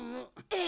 え！